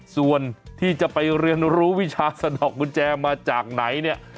ส่วนที่จะไปเรียนรู้วิชาสะดอกกุญแจมาจากไหนเนี่ย